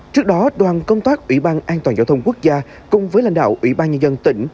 trước đó đoàn công tác ủy ban an toàn giao thông quốc gia cùng với lãnh đạo ủy ban nhân dân tỉnh